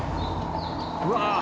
うわ！